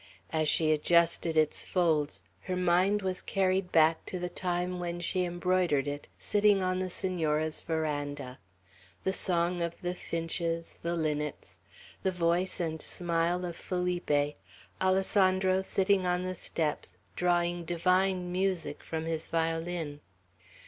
As she adjusted its folds, her mind was carried back to the time when she embroidered it, sitting on the Senora's veranda; the song of the finches, the linnets; the voice and smile of Felipe; Alessandro sitting on the steps, drawing divine music from his violin.